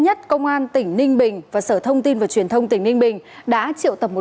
nhất công an tỉnh ninh bình và sở thông tin và truyền thông tỉnh ninh bình đã triệu tập một